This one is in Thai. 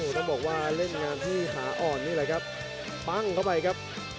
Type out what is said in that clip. รุ่นรางวัลกันครับ